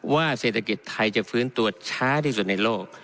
เศรษฐกิจไทยจะฟื้นตัวช้าที่สุดในโลก